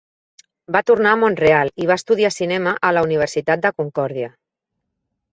Va tornar a Mont-real i va estudiar cinema a la Universitat de Concordia.